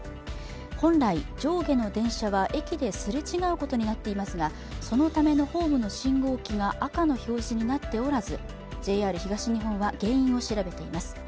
本来、上下の電車は駅ですれ違うことになっていますがそのためのホームの信号機が赤の表示になっておらず、ＪＲ東日本は原因を調べています。